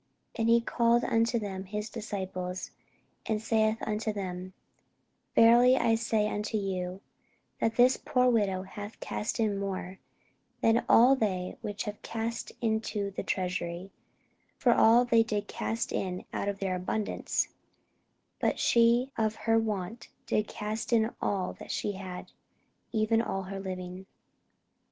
And he called unto him his disciples, and saith unto them, Verily I say unto you, That this poor widow hath cast more in, than all they which have cast into the treasury: for all they did cast in of their abundance; but she of her want did cast in all that she had, even all her living.